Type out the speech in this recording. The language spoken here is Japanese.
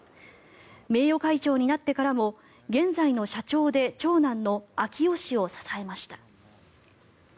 名誉会長になってからも現在の社長で長男の章男氏を支えました。